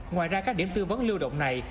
ngoài ra các điểm tư vấn lưu động này